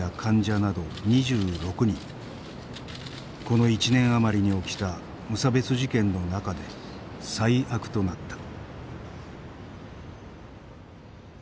この１年余りに起きた無差別事件の中で最悪となった。